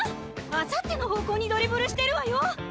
あさっての方向にドリブルしてるわよ！